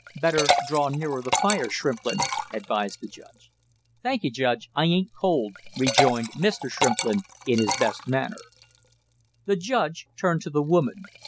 "Better draw nearer the fire, Shrimplin!" advised the judge. "Thank you, Judge, I ain't cold," rejoined Mr. Shrimplin in his best manner. The judge turned to the woman.